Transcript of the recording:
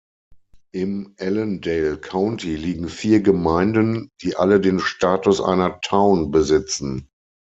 Im Allendale County liegen vier Gemeinden, die alle den Status einer "Town" besitzen.